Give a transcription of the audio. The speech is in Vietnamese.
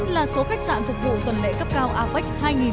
bốn mươi chín là số khách sạn phục vụ tuần lễ cấp cao apec hai nghìn một mươi bảy